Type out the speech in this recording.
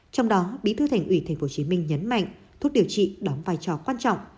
trong đó bí thư tp hcm nhấn mạnh thuốc điều trị đóng vai trò quan trọng